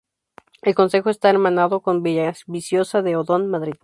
El concejo está hermanado con Villaviciosa de Odón, Madrid.